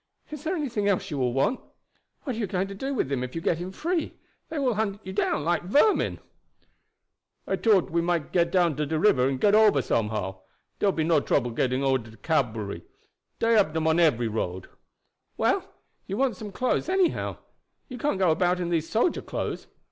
"Is there anything else you will want? What are you going to do with him if you get him free? They will hunt you down like vermin." "I tought we might get down to de river and get ober somehow. Dere will be no getting trou der cavalry. Dey will hab dem on every road." "Well, you want some clothes, anyhow; you can't go about in these soldier clothes.